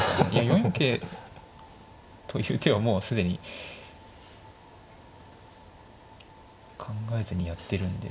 ４四桂という手はもう既に考えずにやってるんで。